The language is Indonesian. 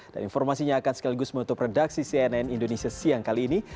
dan informasinya akan sekaligus menutup redaksi cnn indonesia siang kali ini